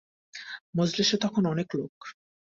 মজলিসে তখন অনেক লোক।